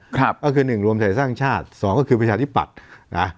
ก็คือหนึ่งรวมไทยสร้างชาติสองก็คือประชาธิปัตย์นะ